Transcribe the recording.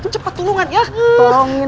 cepet tulungan ya